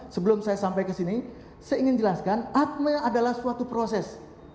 sebelum saya sampai ke sini saya ingin jelaskan atme adalah suatu proses